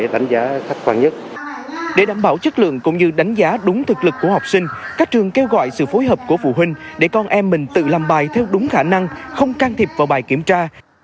để đảm bảo chất lượng cũng như đánh giá đúng thực lực của học sinh các trường kêu gọi sự phối hợp của phụ huynh để con em mình tự làm bài theo đúng khả năng không can thiệp vào bài kiểm tra